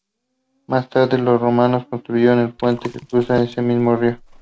Más tarde, los romanos construyeron el puente que cruza ese mismo río.